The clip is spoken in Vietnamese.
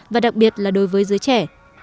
và đặc biệt là đối với giới trẻ